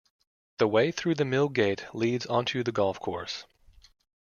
The way through the mill gate leads onto the golf course.